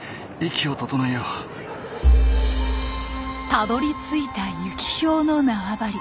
たどりついたユキヒョウの縄張り。